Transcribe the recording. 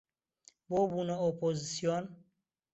بۆ بوونە ئۆپۆزسیۆن